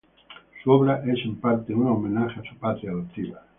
Su obra es, en parte, un homenaje a su patria adoptiva.